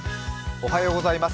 おはようございます。